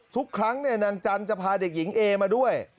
ทุกครั้งนางจันทร์จะพาเด็กหญิงเอมาด้วย